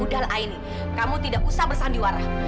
udah lah aini kamu tidak usah bersandiwara